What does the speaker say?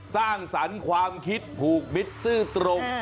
สร้างสรรค์ความคิดผูกมิตรซื่อตรง